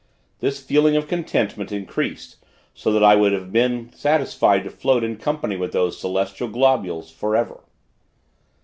This feeling of contentment, increased, so that I would have been satisfied to float in company with those celestial globules, forever.